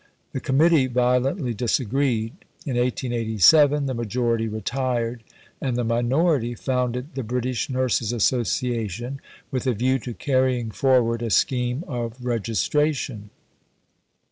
The Committee violently disagreed; in 1887 the majority retired, and the minority founded the British Nurses Association with a view to carrying forward a scheme of Registration.